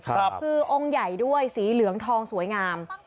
คือองค์ใหญ่ด้วยสีเหลืองทองสวยงาม